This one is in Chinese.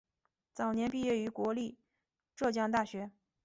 早年毕业于国立浙江大学。